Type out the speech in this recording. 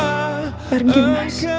engkau jauh di mata